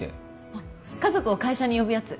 あっ家族を会社に呼ぶやつ？